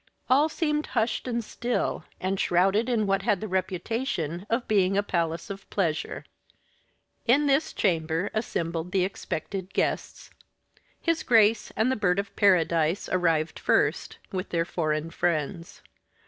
All seemed hushed and still, and shrouded in what had the reputation of being a palace of pleasure. In this chamber assembled the expected guests. His Grace and the Bird of Paradise arrived first, with their foreign friends.